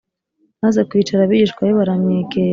maze kwicara abigishwa be baramwegera